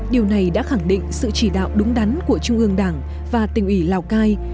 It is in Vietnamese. điều này đã khẳng định sự chỉ đạo đúng đắn của trung ương đảng và tỉnh ủy lào cai